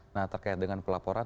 nah terkait dengan pelaporan